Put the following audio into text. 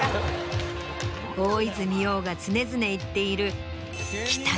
大泉洋が常々言っている。